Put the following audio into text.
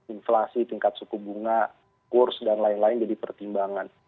inflasi tingkat suku bunga kurs dan lain lain jadi pertimbangan